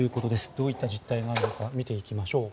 どういった実態があるのか見ていきましょう。